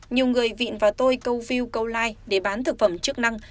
nhiều người vịn và tôi câu view câu like để bán thực phẩm chức năng